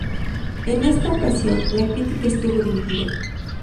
En esta ocasión, la crítica estuvo dividida.